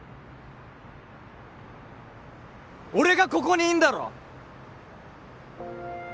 俺がここにいんだろ！